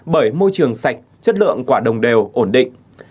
bởi môi trường sạch chất lượng quả đồng đều ổn định